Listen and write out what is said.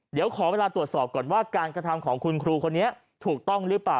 เดี๋ยวขอเวลาตรวจสอบก่อนว่าการกระทำของคุณครูคนนี้ถูกต้องหรือเปล่า